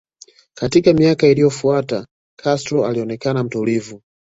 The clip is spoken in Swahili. Katika miaka iliyofuata Castro alionekana mtulivu